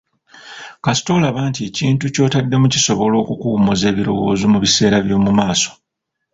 Kasita olaba nti ekintu kyotaddemu kisobola okukuwummuza ebirowoozo mu biseera by'omu maaso.